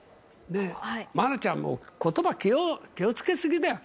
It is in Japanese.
愛菜ちゃんも、ことば気をつけすぎだよ。